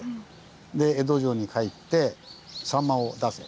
で江戸城に帰って「さんまを出せ」。